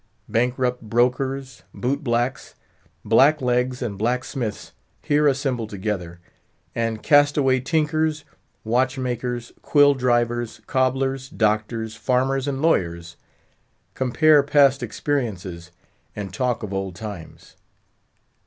Bankrupt brokers, boot blacks, blacklegs, and blacksmiths here assemble together; and cast away tinkers, watch makers, quill drivers, cobblers, doctors, farmers, and lawyers compare past experiences and talk of old times.